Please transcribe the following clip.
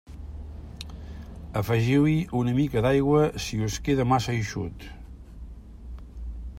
Afegiu-hi una mica d'aigua si us queda massa eixut.